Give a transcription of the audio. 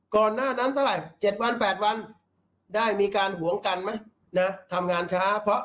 ก่อนหน้านั้นเท่าไหร่๗วัน๘วันได้มีการหวงกันไหมนะทำงานช้าเพราะ